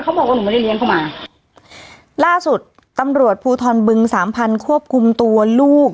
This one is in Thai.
บอกว่าหนูไม่ได้เลี้ยงเข้ามาล่าสุดตำรวจภูทรบึงสามพันควบคุมตัวลูก